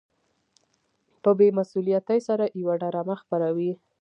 په بې مسؤليتۍ سره يوه ډرامه خپروي.